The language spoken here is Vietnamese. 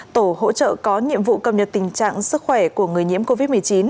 tổ hỗ trợ có nhiệm vụ cập nhật tình trạng sức khỏe của người nhiễm covid một mươi chín